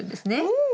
うん！